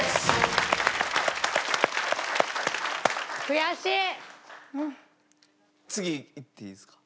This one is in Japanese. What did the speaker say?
悔しい！